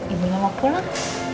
ibu mau pulang